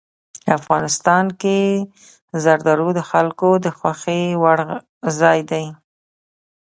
افغانستان کې زردالو د خلکو د خوښې وړ ځای دی.